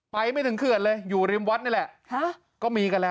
ไปไม่ถึงเขื่อนเลยอยู่ริมวัดนี่แหละ